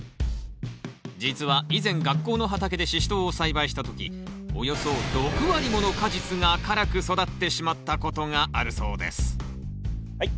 実は以前学校の畑でシシトウを栽培した時およそ６割もの果実が辛く育ってしまったことがあるそうですはい。